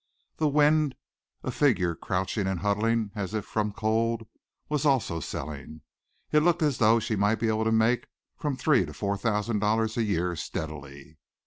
"The Wind," a figure crouching and huddling as if from cold, was also selling. It looked as though she might be able to make from three to four thousand dollars a year steadily.